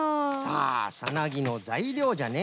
ああサナギのざいりょうじゃね。